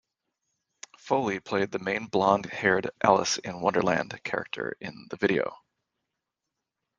Foley played the main blond haired Alice in Wonderland character in the video.